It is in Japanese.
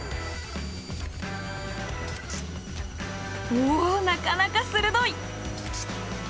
おおなかなか鋭い！